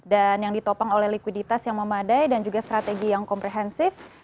dan yang ditopang oleh likuiditas yang memadai dan juga strategi yang komprehensif